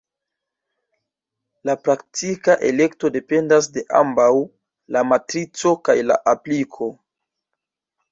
La praktika elekto dependas de ambaŭ la matrico kaj la apliko.